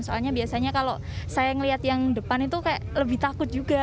soalnya biasanya kalau saya melihat yang depan itu kayak lebih takut juga